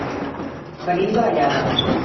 Venim de Vallada.